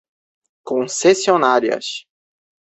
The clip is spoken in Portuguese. concessionárias